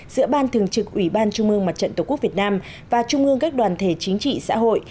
giữa ban thường trực ủy ban trung mương mặt trận tổ quốc việt nam và trung ương các đoàn thể chính trị xã hội